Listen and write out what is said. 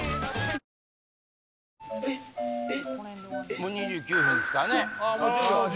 もう２９分ですからね。